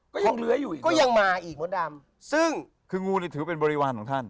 ก็ยังเลื้อยอยู่อีกหรอคืองูนี่ถือเป็นบริวารของท่าน